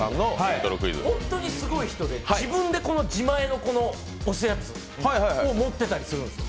本当にすごい人出自分で自前の押すやつを持ってたりするんですよ。